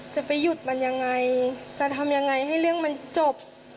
จะไปหยุดมันยังไงจะทำยังไงให้เรื่องมันจบ